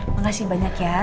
makasih banyak ya